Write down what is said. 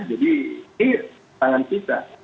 jadi ini tangan kita